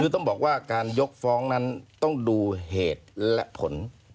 คือต้องบอกว่าการยกฟ้องนั้นต้องดูเหตุและผล